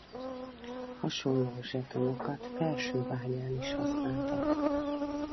Hasonló zsetonokat Felsőbányán is használtak.